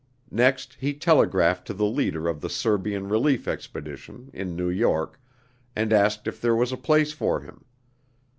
Next, he telegraphed to the leader of the Serbian Relief Expedition, in New York, and asked if there was a place for him.